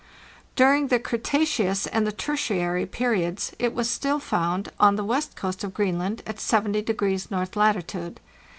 During the Cretaceous and the Tertiary periods it was still found on the west coast of Greenland at 70° north latitude.